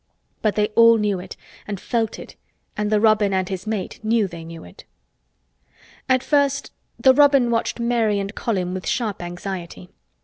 But they all knew it and felt it and the robin and his mate knew they knew it. At first the robin watched Mary and Colin with sharp anxiety.